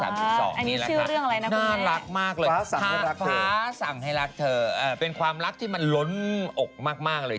นี่ซื้อเรื่องอะไรนะครับ